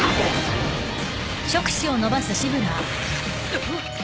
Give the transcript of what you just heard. あっ！